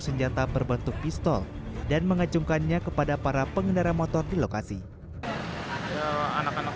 senjata berbentuk pistol dan mengacungkannya kepada para pengendara motor di lokasi anak anak